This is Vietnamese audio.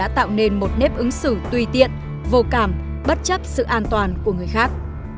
tạo nên một nếp ứng xử tùy tiện vô cảm bất chấp sự an toàn của người khác